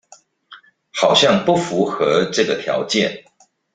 好像不符合這個條件